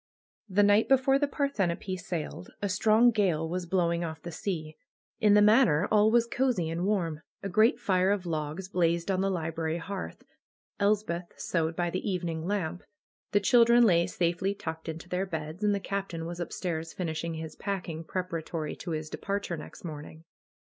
The night before the Parthenope sailed a strong gale was blowing off the sea. In the Manor all was cosey and warm. A great fire of logs blazed on the library hearth. Elspeth sewed by the evening lamp. The chil dren lay safely tucked into their beds, and the Captain was upstairs finishing his packing preparatory to his de parture next morning.